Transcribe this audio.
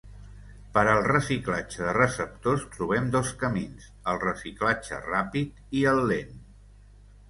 Per al reciclatge de receptors trobem dos camins: el reciclatge ràpid i el lent.